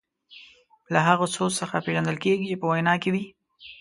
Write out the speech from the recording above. له هغه سوز څخه پېژندل کیږي چې په وینا کې وي.